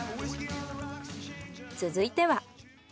続いては。